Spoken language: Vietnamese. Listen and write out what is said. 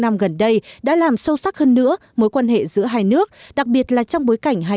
năm gần đây đã làm sâu sắc hơn nữa mối quan hệ giữa hai nước đặc biệt là trong bối cảnh hai